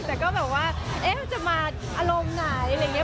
แต่ก็แบบว่าจะมาอารมณ์ไหนอะไรอย่างนี้